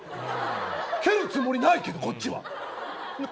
蹴るつもりないけど、こっちは。